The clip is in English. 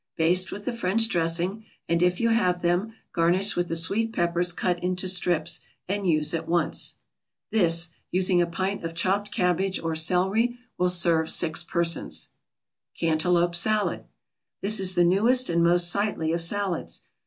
Baste with the French dressing, and, if you have them, garnish with the sweet peppers cut into strips, and use at once. This, using a pint of chopped cabbage or celery, will serve six persons. CANTALOUPE SALAD This is the newest and most sightly of salads.